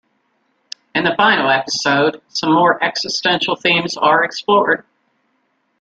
In the final episode, some more existential themes are explored.